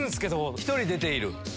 １人出ている？